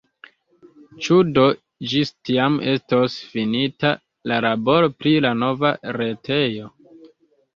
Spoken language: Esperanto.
Ĉu do ĝis tiam estos finita la laboro pri la nova retejo?